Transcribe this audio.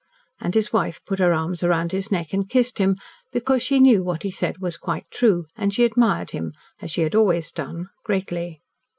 And his wife put her arms round his neck and kissed him because she knew what he said was quite true, and she admired him as she had always done greatly.